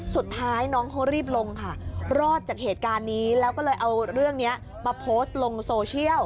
สุดท้ายน้องเขารีบลงค่ะรอดจากเหตุการณ์นี้แล้วก็เลยเอาเรื่องนี้มาโพสต์ลงโซเชียล